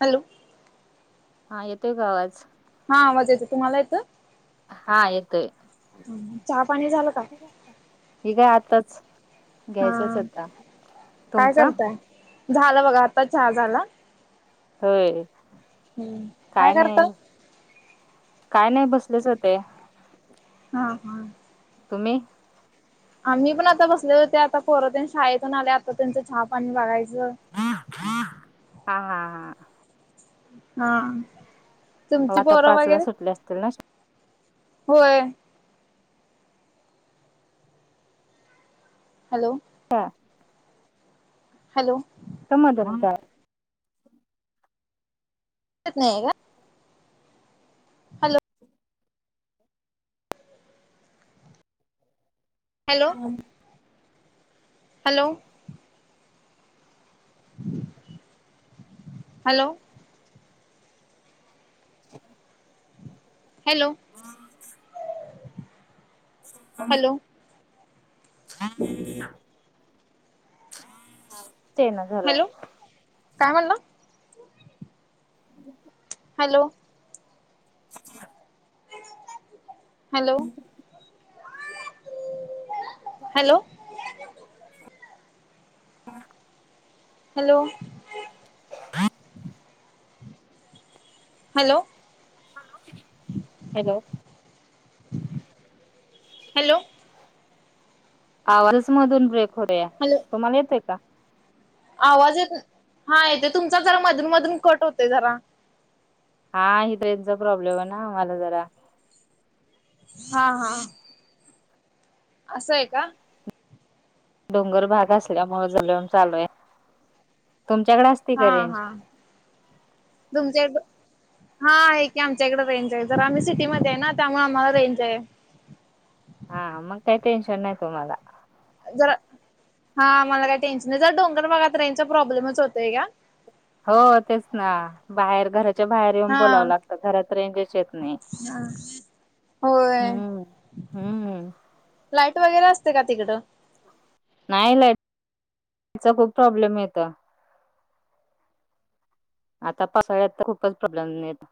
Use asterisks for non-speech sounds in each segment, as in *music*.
Hello... हा येतोय का आवाज? हा आवाज याचं तुम्हाला येतं. हा येतोय. ह चहा पाणी झालं का? हि काय आताच घ्यायचच हा आता काय तुमचा. करताय? झालं बघा आताच चहा झाला. होय हम्म काय करता? नाही. काय नाही बसलेच होते. हम हम. तुम्ही. आम्ही पण आता बसले होते आता पोरं तेन शाळेतून आले आता त्यांचं हा पाणी बघायचं. हा हा हा. हा हो तुमची आता पोरं पाच ला वगैरे सुटले असतील ना होय. हॅलो. हा. हॅलो. समजता *unintelligible* तेच नाही आहे का. Hello. Hello. Hello.. ! Hello. *inaudible* Hello. हम. हम. हॅलो हम ह. हॅलो काय म्हणला. Hello. *unintelligible* Hello hello. *unintelligible* Hello. *inaudible* Hello. Hello. Hello. आवाजच मधून ब्रेक होते या, हॅलो तुम्हाला येतोय का? आवाज येत हा, तुमचा जरा मधून मधून कट होते जरा. हा, इथं रेंजचा प्रॉब्लेम आहेना, आम्हाला जरा. हा हा. असं आहे का? डोंगर भाग असल्यामुळे, जर चालू आहे. तुमच्याकडे अस हा.. हा.. तुमच्या इकडं. हा आहे की आमच्याकडे रेंज आहे. जर आम्ही सिटीमध्ये आहे ना, त्यामुळे आम्हाला रेंज आहे. हा, मग काय टेन्शन नाही तुम्हाला. जरा हा, मला काही टेन्शन नाही. जरा डोंगरभागात रेंज चा प्रॉब्लेमच होतंय घ्या. हो तेच ना, बाहेर घरा घराच्या बाहेर येऊन बोलावं लागत, घरात रेंजच येत नाही. आं.. हम्म हम्म. लाईट वगैरे असते, का तिकडं. नाही लाईट त्यांच खूप प्रॉब्लेम येतं. आता पावसाळ्यात तर खूपच प्रॉब्लेम येतं.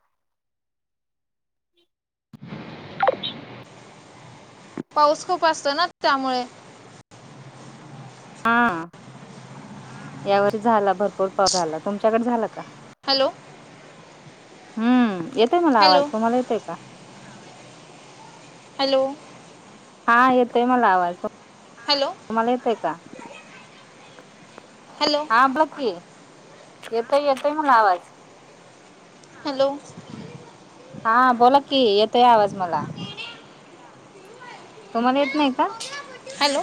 पाऊस खूप असतो ना त्यामुळें. हा, या वर्षी झाला भरपूर पाऊस झाला, तुमच्याकडे झाला का? हॅलो. हम्म, येतोय मला आवाज, हॅलो तुम्हाला येतोय का? हॅलो. हा येतोय मला आवाजं. हॅलो. तुम्हाला येतोय का? हॅलो. हां, बकी येते येतोय मला आवाज. हॅलो. हा बोला की, येतोय आवाज मला. तुम्हाला येत नाही का? हॅलो.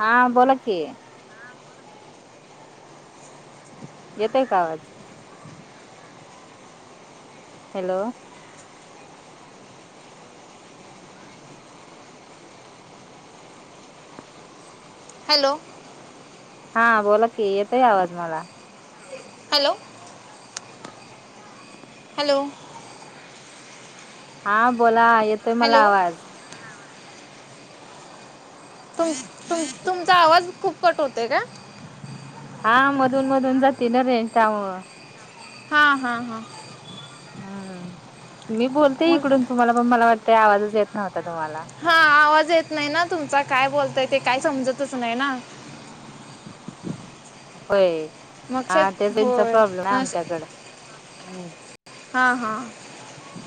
हा, बोला की. येतोय का आवाज. हॅलो. हॅलो. हा बोला की, येतोय आवाज मला. हॅलो. हॅलो. हा बोला येतोय, मला हॅलो आवाज. तुम तुम-तुमचा आवाज खूप कट होते काय? हा मधून मधून जाती ना, रेंज त्यामुळं. हा हा हा.. हम्म, मी बोलते मग इकडून तुम्हाला पण, मला वाटत आवाजच येत नव्हता तुम्हांला. हा आवाज येत नाही ना, तुमचा काय बोलताय ते काय समजतच नाही ना. होय, मग शेत हां ते रेंजचा होय प्रॉब्लेम आहे मग आमच्याकडं. हम्म. हा हा,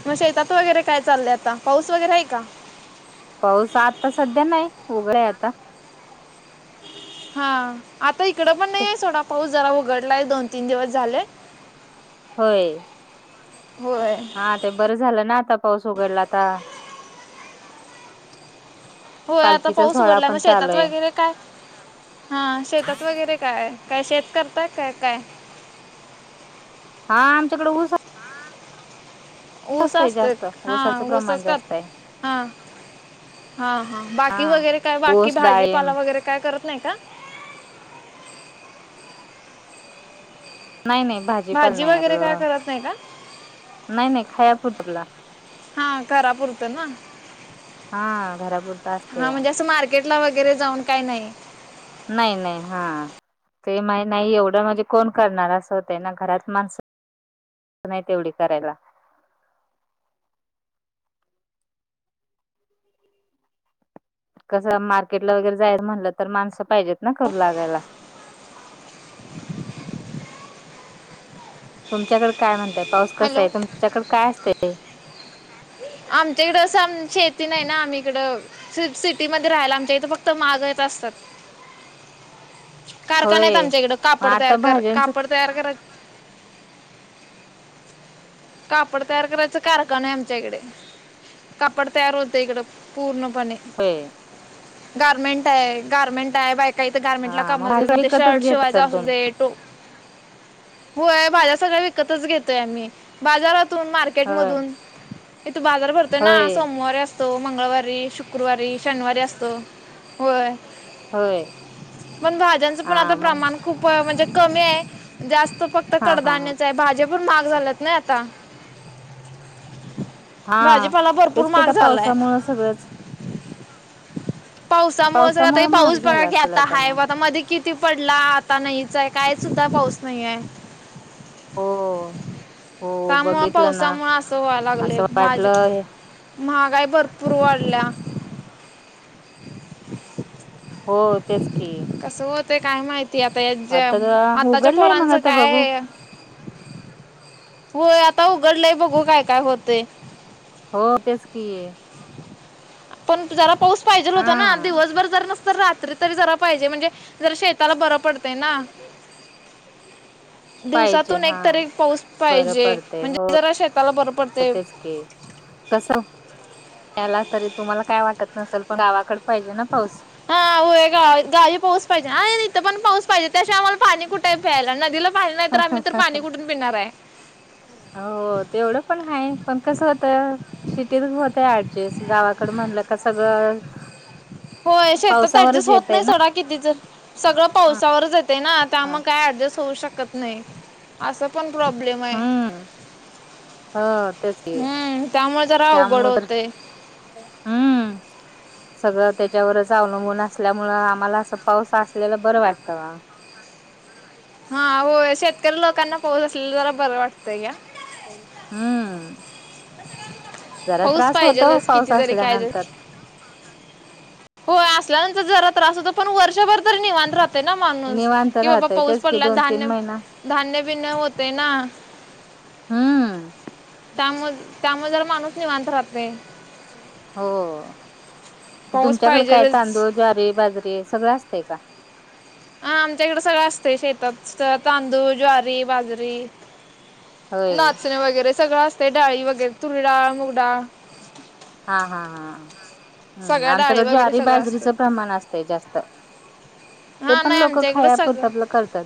मग शेतात वगैरे काय चाललंय, आता पाऊस वगैरे आहे का? पाऊस आता सध्या नाही, उघडे आता. हा आता इकडं पण नाही आहे, सोडा पाऊस जरा उघडलाय दोन तीन दिवस झाले. होय. होय. हा, ते बरं झालं ना आता पाऊस उगडला आता. होय. आता पालखीचा पाऊस सोहळा उघडला मग पण चालू शेतात आहे. वगैरे, काय, हा शेतात वगैरे काय, काय शेत करताय काय काय? हां, आमच्याकडे ऊस हा ऊस असतेत जास्त हा, ऊसाचं ऊस प्रमाण असतात जास्त आहे हां. हा हा, बाकी हा. वगैरे काय बाकी ऊस भाजीपाला डाळिंब वगैरे काय करत नाही का? नाही नाही भाजी पण नाही वगैरे काय आपलं, करत नाही का नाही नाही *unintelligible* हा, घरापुरतं ना. हा घरा पुरत. हा, म्हणजे असं मार्केट ला वगैरे जाऊन काय नाही. नाही नाही, हा.. ते मा नाही एवढं म्हणजे, कोण करणार असं होत ना घरात माणसं. नाही तेवढी करायला. कसं मार्केटला वगैरे जायच म्हणलं तर, माणसं पाहिजेत ना करू लागायला. तुमच्याकडे काय म्हणताय, पाऊस कसा हॅलो आहे तुमच्याकडे काय असतंय. आमच्याइकडं असं आम, शेती नाही ना आम्ही इकडं. सिटीमध्ये राहायला आमच्या इथे फक्त महागच असतात. कारखान आहेत होय. आमच्या इकडं, मग कापड तयार आता कर भाज्यांच कापड तयार करायचं. कापड तयार करायच कारखाने आहे आमच्याकडे. कापड तयार होतंय, इकडं पूर्णपणे. होय. गार्मेंट आहे गार्मेंट आहे, बायका इतर गार्मेंट ला हा काम मग भाज्या ते विकतच शर्ट घेत शिवायंच असाल असु तुम्ही दे. होय, भाज्या सगळ विकतच घेतोय आम्ही, बाजारातून मार्के मार्केट होय. मधून इथ बाजार भरतोय ना होय सोमवारी असतोय. तो मंगळवारी शुक्रवारी शनिवारी असतो. होय.. होय पण भाज्यांचं पण आता हा मग प्रमाण. खूप म्हणजे कमी आहे. जास्त फक्त हा हा हा कडधान्याच आहे, भाज्या पण महाग झाल्यात ना. *unintelligible* हा. भाजीपाला भरपूर तेच की म्हाग आता झालायं. पावसामुळं सगळंच पावसामुळे जरा ते पावसामुळ महाग पाऊस बघा झाला की असेल आता आहे. मग बघता मधी किती, किती पडला आता नाहीच आहे, काय सुद्धा पाऊस नाहीये. हो. हो त्यामुळे बघितलं ना पावसामुळे असं, व्हाय लागले असं भाजी. वाटलं महागाई भरपूर वाढल्या. हो तेच की, कसं होते काय माहितीय, आता आता याचं आताच्या उघडलाय मग पोरांचं आता काय बघू आहे. होय, आता उघडलंय बघू काय काय होते. हो, तेच की. पण जरा पाऊस पाहिजेल हा होता ना, दिवसभर जर नस तर रात्री तरी जरा पाहिजे म्हणजे, जरा शेताला बरं पडतंय ना. पाहिजे दिवसातून हा एकतरी पाऊस बरं पाहिजे, म्हणजे जरा शेताला जरा बर पडते. के कस याला तरी तुम्हाला काय वाटत नसेल, पण गावाकडं. पाहिजे ना पाऊस हा होय गा गावी पऊस पाहिजे आणि इथं पण पाऊस पाहिजे त्याशिवाय आम्हाला पाणी कुठे आहे प्यायला नदीला पाणी नाही हा तर हा आम्ही तर पाणी हा. कुठून पिणार आहे. हो तेवढं पण आहे पण कसं होतं सिटीत वर होत एडजेस गावाकडे म्हणलं का सगळं होय शेतात पावसावरच ऍडजस्ट होत येतय नाही ना सडा कितीचा सगळं पावसावरच येते ना त्या हा मग काय ऍडजस्ट होऊ शकत नाही असं पण प्रॉब्लेम आहे. हम्म हो तेच की हम्म त्यामुळे जरा अवघड त्यामुळे तर होतय. हम्म. सगळं त्याच्यावरच अवलंबून असल्यामुळं आम्हाला असं पाऊस असलेला बरं वाटतं वा. हा होय शेतकरी लोकांना पोहोत असलेला जरा बरं वाटतंय या. हम्म जरा पाऊस त्रास होतो पाहिजेलच पाऊस किती जरी काय जरी असल्यानंतर. होय असल्यानंतर जरा त्रास होतो पण वर्षभर तरी निवांत राहत. ते ना माणूस निवांत कि बाबा राहतय पाऊस तेच की पडला दोन तीन धान्य महिना धान्य बिन्य होते ना हम्म. त्यामुळ त्यामुळे जर माणूस निवांत राहते. हो पाऊस तुमच्याकडे काय पाहिजेलच तांदूळ ज्वारी, बाजरीे सगळं असतेय का? आ आमच्याकडें सगळं असते शेतात तांदूळ, ज्वारी, बाजरी होय नाचणे वगैरे सगळं असते डाळी वगैरे तुरी डाळ, मुगडाळ हा हा हा हम्म सगळ्या डाळी आमच्याकडं वगैरे ज्वारी, सगळं असते बाजरीचं प्रमाण अस ते जास्त ते हा पण नाही लोकं आमच्या इकडं खायापुरता सगळं आपलं करतात.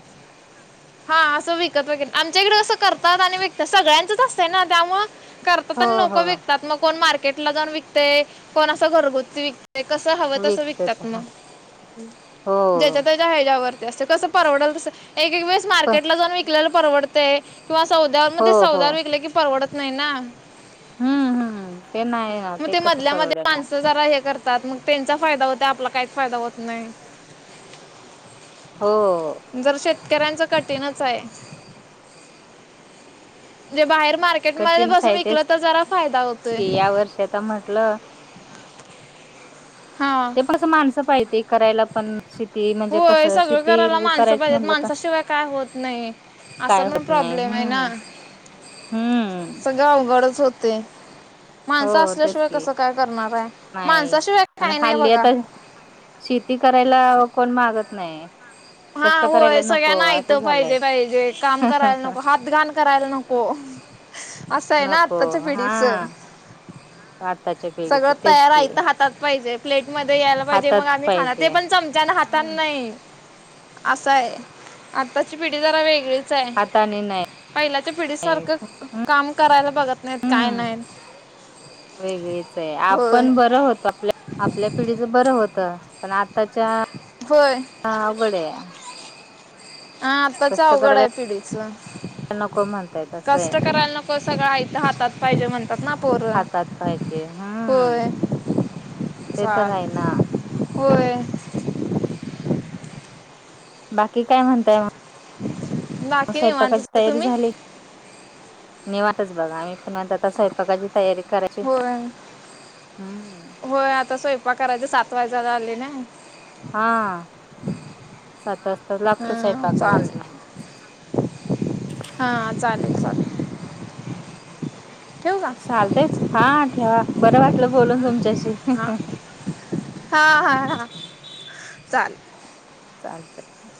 हा असं विकत वगैरे आमच्या इकडे असं करतात आणि विकतात सगळ्यांचच असतं ना त्यामुळं करतात हो पण हो नको विकतात म कोण मार्केट ला जाऊन विकते कोण असं घरगुती विक ते कसं हवं तसं विकतात मग. *inaudible* ज्याच्या त्याच्या ह्याच्यायावरती असते कसं परवडल तसं एक एक वेळेस मार्केट ला जाऊन विकलेला परवड ते किंवा सौद्यावर मग हो ते हो सौदावर विकले कि परवडत नाही ना. हम्म हम्म ते नाही ना मग ते कसं मधल्यामध्ये परवडणार माणसं जरा हे करतात मग त्यांचा फायदा होतं आपला काहीच फायदा हो नाही हो. जर शेतकऱ्यांच कठीणच आहे जे बाहेर मार्क केट मध्ये कठीणच बसून आहे विकलं तर जरा फायदा होतोय. ते आता म्हटलं हा. ते माणसं पाहिते करायला पण शेत ते म्हणजे होय कसं सगळं शेती करायला माणसं करायचं पाहिजेत म्हणलं का माणसाशिवाय काय होत नाही असा काय पण होत नाही प्रॉब्लेम आहे हम्म ना हम्म. जा अवगडच होते. हो माणसं तेच असल्याशिवाय की कसं काय करणार आहे नाही माणसाशिवाय आणि काही नाही हल्ली बघा. आता शेती करायला कोण मागत नाही. हा कष्ट होय करायला नको सगळ्यांना असं ऐतं झालंय पाहिजे पाहिजे काम करायला नको हात उदगान करायला नको असं आहे ना नको आत्ताच्या पिढीचा. पाताच्या सगळं तयार आहे इथं हातात पाहिजे. प्लेट मध्ये यायला पाहिजे हातात मग आम्ही खाणार ते पाहिजे पण चमच्यानी हाताने हम्म नाही. असं आहे आत्ताची पिढी जरा वेगळीच च आहे हाताने नाही पहिल्याच्या पिढीसारखं काम करायला बघत नाहीत काय हम्म नाय. वेगळीच आहे होय आपण बरं होतो आपल्या आपल्या पिढीच बरं होत पण आताच्या होय. हा अवघड आहे हा आत्ताच कष्ट अवघड करायला आहे पिढच नको म्हणतायत कष्ट असंय करायला नको सगळं आईथ हातात पाहिजे म्हणतात ना पोर हातात पाहिजे हम्म *inaudible* ते तर चाल आहे ना होय हम्. बाकी काय म्हणताय मग बाकी निवांतच स्वयंपाकाची आहे तयारी तुम्ही झाली निवातच बघा आम्ही आता स्वयंपाकाची तयारी करा होय होय आता स्वयंपाकराचे सात वाजला आले नई हा सात वाजता लागतो हां स्वयंपाकालाच चालेल हा चालेल, चालेल ठेवू का चालते हा ठेवा बरं वाटलं बोलून तुमच्याशी हं, हं हा, हा हा, हा चाल चालते